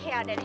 ya udah deh